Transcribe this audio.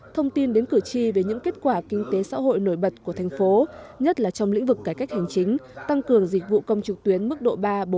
thông tin đến cử tri về những kết quả kinh tế xã hội nổi bật của thành phố nhất là trong lĩnh vực cải cách hành chính tăng cường dịch vụ công trực tuyến mức độ ba bốn